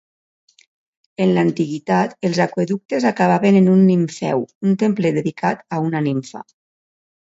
En l'antiguitat, els aqüeductes acabaven en un nimfeu, un templet dedicat a una nimfa.